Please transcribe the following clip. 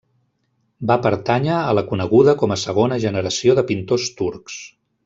Va pertànyer a la coneguda com a segona generació de pintors turcs.